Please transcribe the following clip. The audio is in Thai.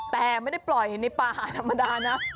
แต่ไม่ได้ปล่อยในป่าธรรมดานะ